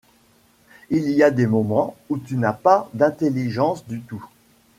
Il y a des moments où tu n’as pas d’intelligence du tout.